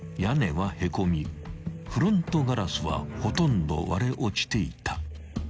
フロントガラスはほとんど割れ落ちていた］